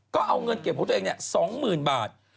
ก็เอาเงินเก็บของตัวเอง๒๐๐๐บาท